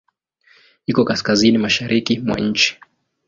Iko Kaskazini mashariki mwa nchi.